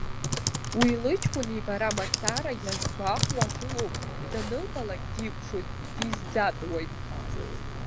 Уи лыҷкәын ибара мацара иазгәаҟуа аӡә лоуп, данылбалак дикәшоит, дизӡатәуеит.